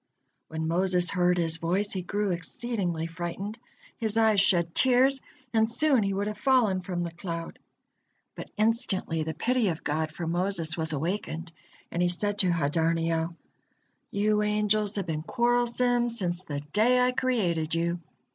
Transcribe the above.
When Moses heard his voice, he grew exceedingly frightened, his eyes shed tears, and soon he would have fallen from the cloud. But instantly the pity of God for Moses was awakened, and He said to Hadarniel: "You angels have been quarrelsome since the day I created you.